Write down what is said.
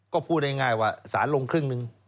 ก็พูดง่ายว่าสารลงครึ่งหนึ่ง